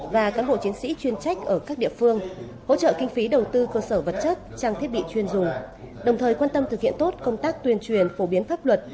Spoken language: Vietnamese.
và cán bộ chiến sĩ chuyên trách ở các địa phương hỗ trợ kinh phí đầu tư cơ sở vật chất trang thiết bị chuyên dùng đồng thời quan tâm thực hiện tốt công tác tuyên truyền phổ biến pháp luật